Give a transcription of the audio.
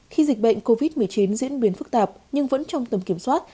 khi dịch bệnh covid một mươi chín diễn biến phức tạp nhưng vẫn trong tầm kiểm soát